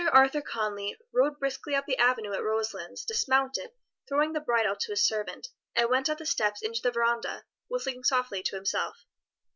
Arthur Conly rode briskly up the avenue at Roselands, dismounted, throwing the bridle to a servant, and went up the steps into the veranda, whistling softly to himself.